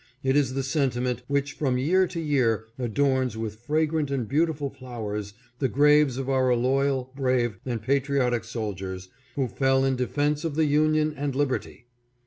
It is the sentiment which from year to year adorns with fragrant and beauti ful flowers the graves of our loyal, brave, and patriotic soldiers who fell in defence of the Union and liberty.